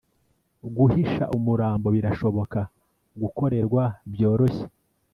guhisha umurambo birashobora gukorerwa byoroshye